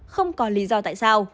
không có lý do tại sao